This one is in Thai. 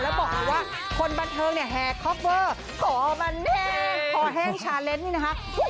แล้วบอกว่าคนบันเทิงแฮร์คอเฟอร์ขอมันแห้งขอแห้งชาเลนส์นี่นะคะ